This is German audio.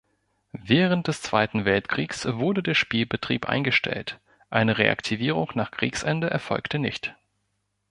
Während des Zweiten Weltkriegs wurde der Spielbetrieb eingestellt, eine Reaktivierung nach Kriegsende erfolgte nicht.